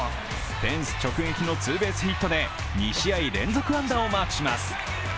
フェンス直撃のツーベースヒットで２試合連続安打をマークします。